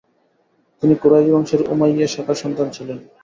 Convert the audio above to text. তিনি কুরাইশ বংশের উমাইয়্যা শাখার সন্তান ছিলেন।